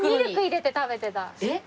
えっ！？